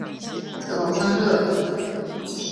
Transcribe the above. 特龙桑热。